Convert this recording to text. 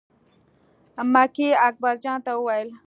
مکۍ اکبر جان ته وویل.